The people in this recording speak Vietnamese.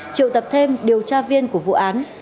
triệu tập thêm điều tra viên của vụ án